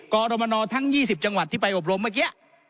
กรมนทั้ง๒๐จังหวัดที่ไปอบรมเมื่อกี้